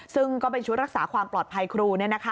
ซึ่งก็เป็นชุดรักษาความปลอดภัยครู